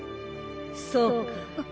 そうか。